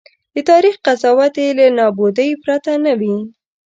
د تاریخ قضاوت یې له نابودۍ پرته نه وي.